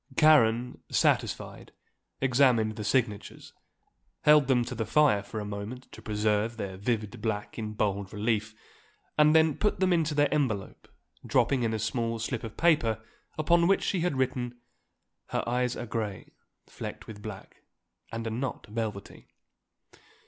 Karen, satisfied, examined the signatures, held them to the fire for a moment to preserve their vivid black in bold relief, and then put them into their envelope, dropping in a small slip of paper upon which she had written: "Her eyes are grey, flecked with black, and are not velvety."